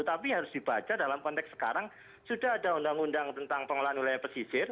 tapi harus dibaca dalam konteks sekarang sudah ada undang undang tentang pengelolaan wilayah pesisir